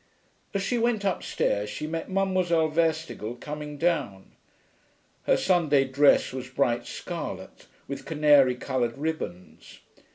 As she went upstairs she met Mademoiselle Verstigel coming down. Her Sunday dress was bright scarlet, with canary coloured ribbons.